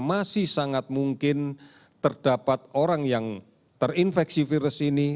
masih sangat mungkin terdapat orang yang terinfeksi virus ini